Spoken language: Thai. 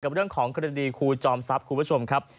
กับเรื่องของคดดีครูจอมทรัพย์ครูประชุมครับ